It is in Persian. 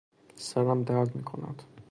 سرم درد میکند